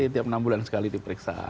tiap enam bulan sekali diperiksa